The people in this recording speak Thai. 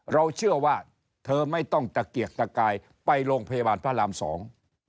เราเชื่อว่าเธอไม่ต้องตะเกียกตะกายไปโรงพยาบาลพระรามสอง